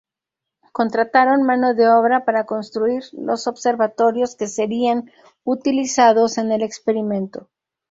Contrataron mano de obra para construir los observatorios que serían utilizados en el experimento.